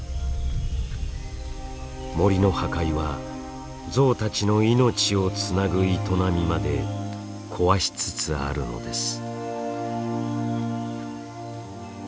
森の破壊はゾウたちの命をつなぐ営みまで壊しつつあるのです。